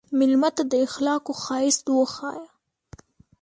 مېلمه ته د اخلاقو ښایست وښیه.